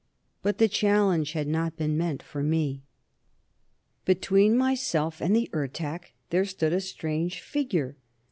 But the challenge had not been meant for me. Between myself and the Ertak there stood a strange figure.